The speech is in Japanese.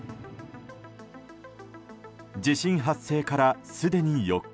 地震発生からすでに４日。